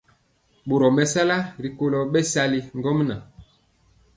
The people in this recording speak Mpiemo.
Boro mesala rikolo bɛsali ŋgomnaŋ.